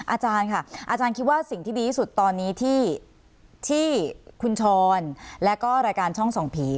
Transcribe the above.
อาจารย์ค่ะอาจารย์คิดว่าสิ่งที่ดีที่สุดตอนนี้ที่คุณชรและก็รายการช่องส่องผี